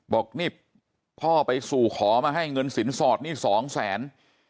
บอกนี่พ่อไปสู่ขอมาให้เงินสินสอดนี่สองแสน